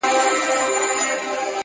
زړورتیا د عمل کولو توان دی!